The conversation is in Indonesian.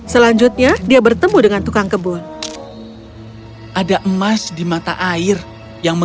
selanjutnya dia bertemu dengan putri yang menikah dengan berpilihanmu